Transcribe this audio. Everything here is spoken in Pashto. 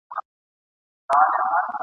څوچي څاڅکي ترې تویېږي !.